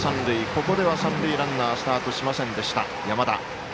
ここでは三塁ランナースタートしませんでした、山田。